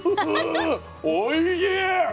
おいしい！